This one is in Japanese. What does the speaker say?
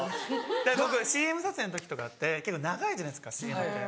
僕ＣＭ撮影の時とかって長いじゃないですかＣＭって。